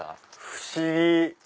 不思議！